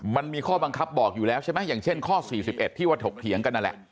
มันมีข้อบังคับบอกอยู่แล้วใช่ไหมอย่างเช่นข้อ๔๑ที่ว่าถกเถียงกันนั่นแหละ